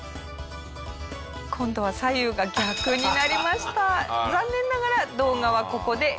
今度は左右が逆になりました。